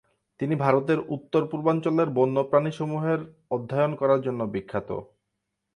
তিনি ভারতের উত্তর পূর্বাঞ্চলের বন্যপ্রাণী সমূহের অধ্যয়ন করার জন্য বিখ্যাত।